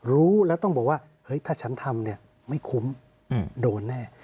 รู้แล้วต้องบอกว่าเฮ้ยถ้าฉันทำเนี่ยไม่คุ้มโดนแน่